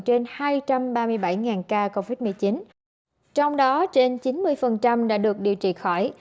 trên hai trăm ba mươi bảy ca covid một mươi chín trong đó trên chín mươi đã được điều trị khỏi